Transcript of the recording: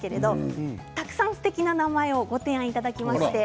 たくさん、すてきな名前をご提案いただきました。